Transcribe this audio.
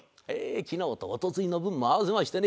昨日と一昨日の分も合わせましてね